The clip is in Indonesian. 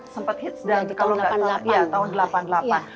sempat hits dan kalau gak salah tahun delapan puluh delapan